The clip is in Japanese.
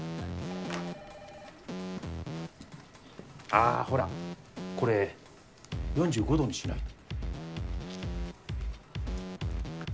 ああほらこれ４５度にしないと。